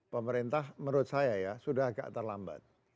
pemerintah menurut saya ya sudah agak terlambat